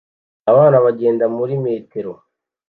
Abana bagenda muri metero